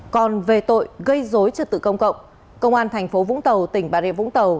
còn về tội gây dối trật tự công cộng công an thành phố vũng tàu tỉnh bà rịa vũng tàu